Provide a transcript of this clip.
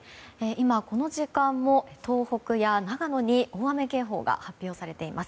今、この時間も東北や長野に大雨警報が発表されています。